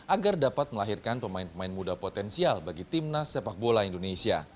agar dapat melahirkan pemain pemain muda potensial bagi timnas sepak bola indonesia